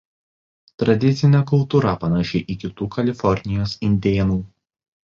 Tradicinė kultūra panaši į kitų Kalifornijos indėnų.